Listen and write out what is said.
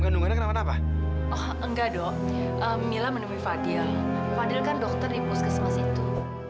kandungannya kenapa kenapa enggak doa mila menemui fadil fadil kan dokter di puskesmas itu